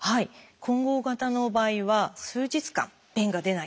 混合型の場合は数日間便が出ない。